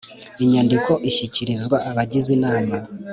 inyandiko ishyikirizwa abagize inama